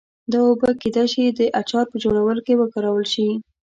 دا اوبه کېدای شي د اچار په جوړولو کې وکارول شي.